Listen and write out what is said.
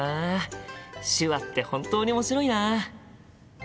手話って本当に面白いな。